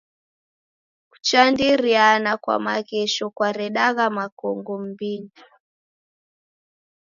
Kuchandiriana kwa maghesho kwaredagha makongo m'mbinyi.